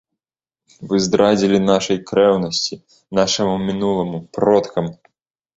Вы здрадзілі нашай крэўнасці, нашаму мінуламу, продкам!